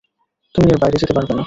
তুমি এর বাইরে যেতে পারবে না।